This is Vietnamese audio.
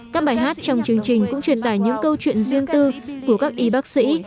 các bài hát trong chương trình cũng truyền tải những câu chuyện riêng tư của các y bác sĩ